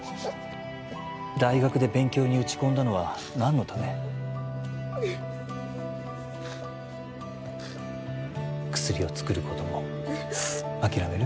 大学で勉強に打ち込んだのは何のため薬を作ることも諦める？